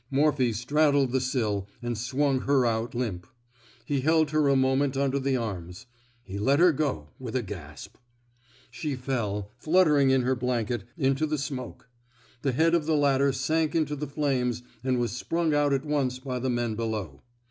Morphy straddled the sill and swung her out limp. He held her a moment under the arms. He let her go, with a gasp. She fell, fluttering in her blanket, into the smoke. The head of the ladder sank into the flames and was sprung out at once by the men below.